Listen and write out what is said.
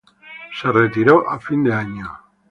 Se retiró a fin de año.